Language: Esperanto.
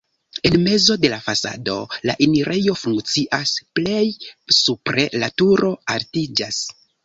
En mezo de la fasado la enirejo funkcias, plej supre la turo altiĝas.